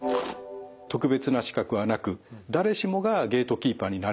特別な資格はなく誰しもがゲートキーパーになれる。